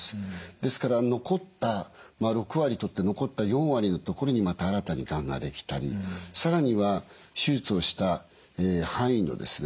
ですから６割取って残った４割の所にまた新たにがんができたり更には手術をした範囲のですね